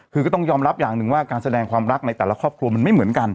คือก็ต้องยอมรับอย่างหนึ่งว่าการแสดงความรักในแต่ละครอบครัวมันไม่เหมือนกัน